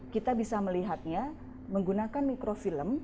kita bisa melihatnya menggunakan mikrofilm